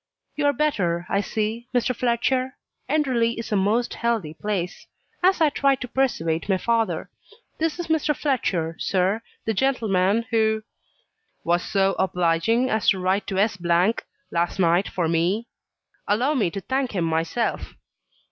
"You are better, I see, Mr. Fletcher. Enderley is a most healthy place, as I try to persuade my father. This is Mr. Fletcher, sir, the gentleman who " "Was so obliging as to ride to S , last night, for me? Allow me to thank him myself."